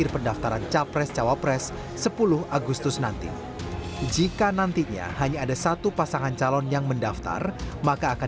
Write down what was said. setelah penutupan pendaftaran